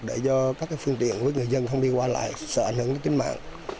để do các phương tiện với người dân không đi qua lại sợ ảnh hưởng đến tính mạng